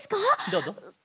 どうぞ。